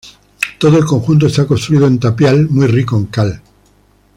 Todo el conjunto está construido en tapial muy rico en cal.